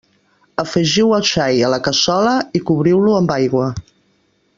Afegiu el xai a la cassola i cobriu-lo amb aigua.